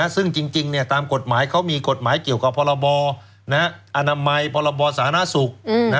ซึ่งจริงตามกฎหมายเขามีกฎหมายเกี่ยวกับพรบอนามัยพรบสาธารณสุข